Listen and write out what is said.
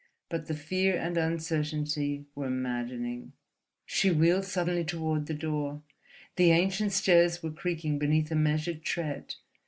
But the fear and uncertainty were maddening.... She wheeled suddenly toward the door: the ancient stairs were creaking beneath a measured tread.